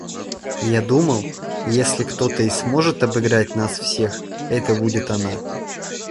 Я думал, если кто-то и сможет обыграть нас всех, это будет она.